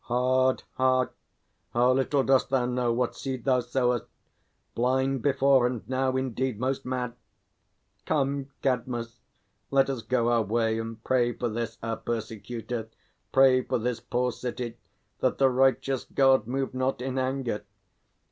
Hard heart, how little dost thou know what seed Thou sowest! Blind before, and now indeed Most mad! Come, Cadmus, let us go our way, And pray for this our persecutor, pray For this poor city, that the righteous God Move not in anger.